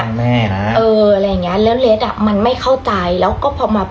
แม่นะเอออะไรอย่างเงี้ยแล้วเลสอ่ะมันไม่เข้าใจแล้วก็พอมา